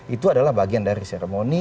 itu adalah bagian dari seremoni